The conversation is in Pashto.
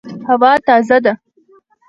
هوا تازه ده